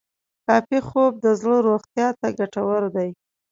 کافي خوب د زړه روغتیا ته ګټور دی.